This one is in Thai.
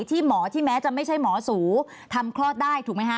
ที่หมอที่แม้จะไม่ใช่หมอสูทำคลอดได้ถูกไหมคะ